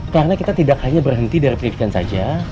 karena kita tidak hanya berhenti dari pendidikan saja